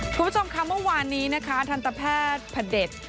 คุณผู้ชมค่ะเมื่อวานนี้นะคะทันตแพทย์พระเด็จ